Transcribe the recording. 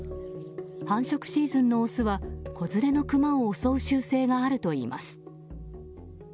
繁殖シーズンのオスは子連れのクマを襲う習性があるといいます。